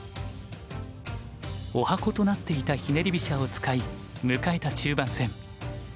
おはことなっていたひねり飛車を使い迎えた中盤戦。